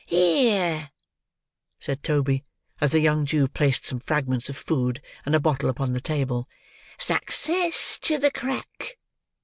"Here," said Toby, as the young Jew placed some fragments of food, and a bottle upon the table, "Success to the crack!"